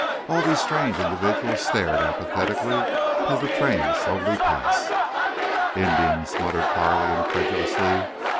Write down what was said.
All these strange individuals stared apathetically as the train slowly passed. "Indians," muttered Carley, incredulously.